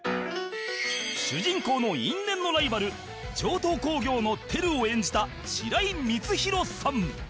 主人公の因縁のライバル城東工業のテルを演じた白井光浩さん